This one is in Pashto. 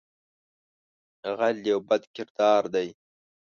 غل یو بد کردار دی